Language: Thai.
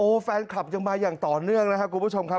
แฟนคลับยังมาอย่างต่อเนื่องนะครับคุณผู้ชมครับ